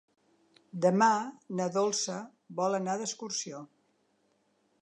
Demà na Dolça vol anar d'excursió.